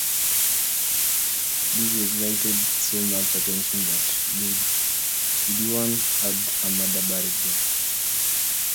These excited so much attention that Lidwina had her mother bury them.